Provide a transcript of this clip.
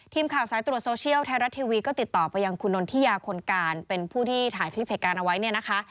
ทีมข่าวสายตรวจโซเชียลไทยรัฐทีวีก็ติดต่อไปยังคุณนนทิยาคนการเป็นผู้ที่ถ่ายคลิปเหตุการณ์เอาไว้เนี่ยนะคะ